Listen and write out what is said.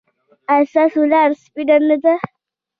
ایا ستاسو لاره سپینه نه ده؟